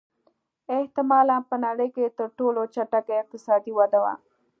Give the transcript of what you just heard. احتمالًا په نړۍ کې تر ټولو چټکه اقتصادي وده وه.